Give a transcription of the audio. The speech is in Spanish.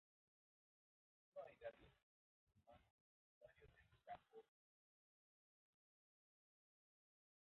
No hay datos de presencia humana en el estuario del Tajo desde la prehistoria.